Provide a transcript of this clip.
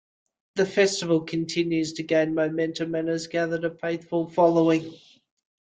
The festival continues to gain momentum and has gathered a faithful following.